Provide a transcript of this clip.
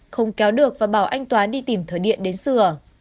không kéo được và bảo anh toán đi tìm thử điện đến sửa